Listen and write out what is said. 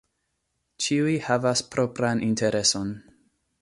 Ĉiuj havas propran intereson.